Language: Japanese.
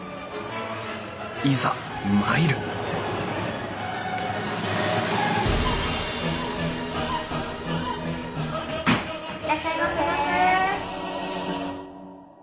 いざ参るいらっしゃいませ。